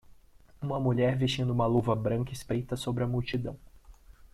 Uma mulher vestindo uma luva branca espreita sobre a multidão.